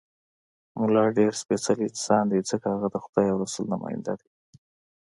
ملا ډېر سپېڅلی انسان دی، ځکه هغه د خدای او رسول نماینده دی.